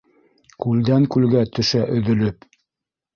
Күлдән-күлгә төшә өҙөлөп.